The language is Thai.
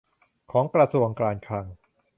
ของกระทรวงการคลัง